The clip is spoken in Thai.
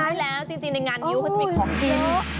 ใช่แล้วจริงในงานงิ้วเขาจะมีของกิน